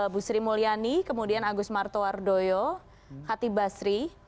bu sri mulyani kemudian agus martowardoyo khati basri